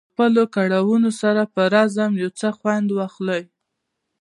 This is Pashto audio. د خپلو کړاوونو سره په رزم یو څه خوند واخلي.